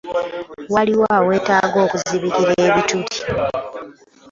Waliwo aweetaaga okuzibikira ebituli.